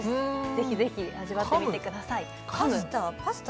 ぜひぜひ味わってみてくださいパスタ？